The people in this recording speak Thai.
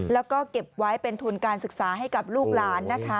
แล้วก็เก็บไว้เป็นทุนการศึกษาให้กับลูกหลานนะคะ